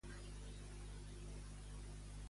A quin altre conte popular recorda?